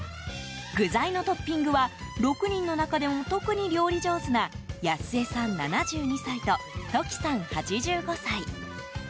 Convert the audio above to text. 具材のトッピングは６人の中でも特に料理上手なやす江さん、７２歳とトキさん、８５歳。